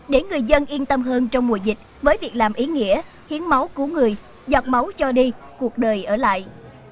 để người dân yên tâm hơn trong mùa dịch với việc làm ý nghĩa hiến máu cứu người giọt máu cho đi cuộc đời ở lại